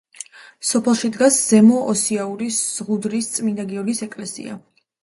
სოფელში დგას ზემო ოსიაურის ზღუდერის წმინდა გიორგის ეკლესია.